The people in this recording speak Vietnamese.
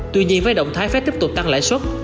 tuy nhiên với động thái phép tiếp tục tăng lãi suất